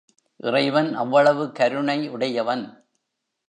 இறைவன் அவ்வளவு கருணை உடையவன்.